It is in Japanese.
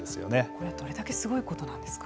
これはどれだけすごいことなんですか。